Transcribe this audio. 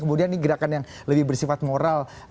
kemudian ini gerakan yang lebih bersifat moral